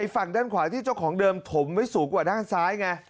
ฝั่งด้านขวาที่เจ้าของเดิมถมไว้สูงกว่าด้านซ้ายไง